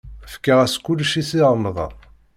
Fkiɣ-as kullec i Si Remḍan.